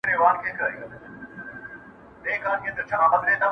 د خدای کار وو هلکان دواړه لویان سوه,